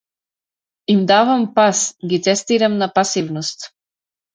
Им давам пас, ги тестирам на пасивност.